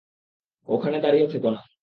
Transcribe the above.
ওখানে দাঁড়িয়ে থেকো না!